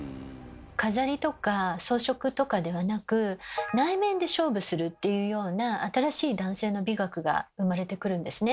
飾りとか装飾とかではなく内面で勝負するっていうような新しい男性の美学が生まれてくるんですね。